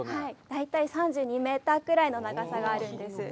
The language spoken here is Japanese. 大体３２メートルぐらいの長さがあるんです。